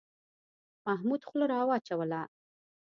محمود خوله را وچوله.